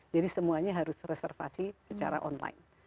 jadi semuanya harus reservasi secara online